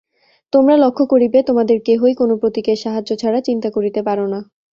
তোমরা লক্ষ্য করিবে, তোমাদের কেহই কোন প্রতীকের সাহায্য ছাড়া চিন্তা করিতে পার না।